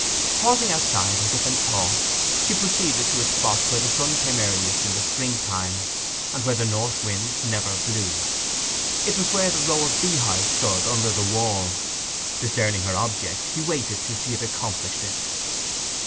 Pausing outside, as if in thought, she proceeded to a spot where the sun came earliest in spring time, and where the north wind never blew; it was where the row of beehives stood under the wall. Discerning her object, he waited till she had accomplished it.